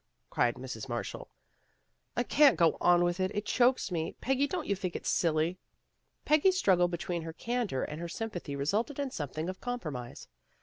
" cried Mrs. Marshall. " I can't go on with it. It chokes me. Peggy, don't you think it's silly? " Peggy's struggle between her candor and her sympathy resulted in something of compromise.